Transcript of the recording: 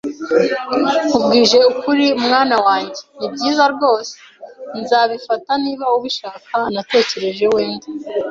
“Nkubwije ukuri, mwana wanjye; ni byiza rwose. ” “Nzabifata, niba ubishaka.” “Natekereje wenda